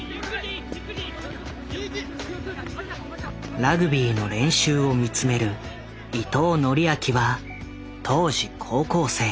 ラグビーの練習を見つめる伊藤紀晶は当時高校生。